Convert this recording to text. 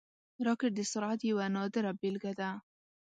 راکټ د سرعت یوه نادره بیلګه ده